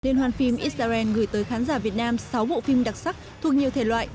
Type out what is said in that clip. liên hoan phim israel gửi tới khán giả việt nam sáu bộ phim đặc sắc thuộc nhiều thể loại